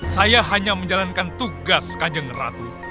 saya hanya menjalankan tugas kanjeng ratu